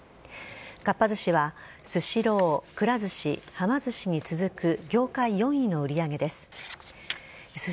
かっぱ寿司はスシロー、くら寿司はま寿司に続く業界４位の売り上げです。